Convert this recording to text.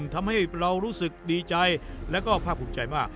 ทำให้เรารู้สึกดีใจและก็ภาคภูมิใจมาก